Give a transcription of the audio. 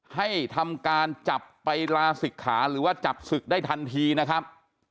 ให้ทำการจับไปลาศิกขาหรือว่าจับศึกได้ทันทีนะครับ